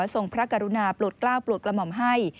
ทรงพระกรุณาปลดกล้าวปลดกระหม่อมให้